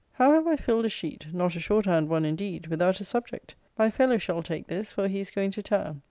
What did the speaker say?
How have I filled a sheet (not a short hand one indeed) without a subject! My fellow shall take this; for he is going to town.